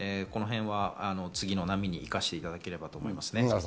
次の波にいかしていただければと思いますね。